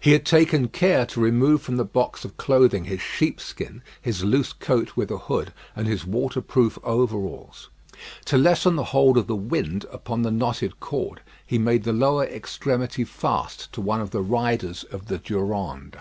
He had taken care to remove from the box of clothing his sheepskin, his loose coat with a hood, and his waterproof overalls. To lessen the hold of the wind upon the knotted cord, he made the lower extremity fast to one of the riders of the Durande.